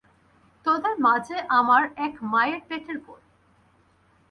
তোদের মা যে আমার এক মায়ের পেটের বোন।